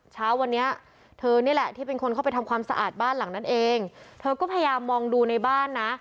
เช้าวันนี้เธอนี่แหละที่เป็นคนเข้าไปทำความสะอาดบ้านหลังนั้นเองเธอก็พยายามมองดูในบ้านนะ